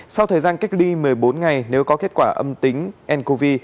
sau thời gian cách ly một mươi bốn ngày nếu có kết quả âm tính ncov